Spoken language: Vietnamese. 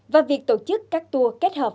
và việc tổ chức các tour kết hợp